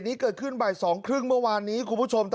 นี่ละครับคุณผู้ชมครับ